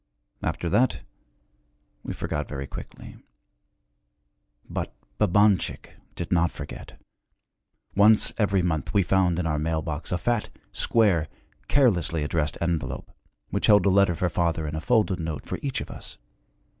After that, we forgot very quickly. But Babanchik did not forget. Once every month we found in our mail box a fat, square, carelessly addressed envelope, which held a letter for father and a folded note for each of us.